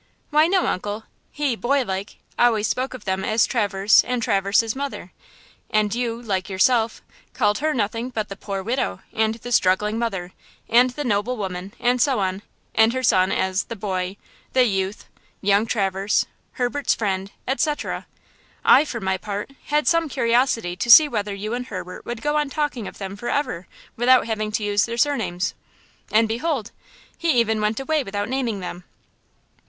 "Why, no, uncle. He, boylike, always spoke of them as 'Traverse' and 'Traverse's mother'; and you, like yourself, called her nothing but the 'poor widow' and the 'struggling mother' and the 'noble woman,' and so on, and her son as the 'boy,' the 'youth,' 'young Traverse,' Herbert's 'friend,' etc. I, for my part, had some curiosity to see whether you and Herbert would go on talking of them forever without having to use their surnames. And, behold, he even went away without naming them!"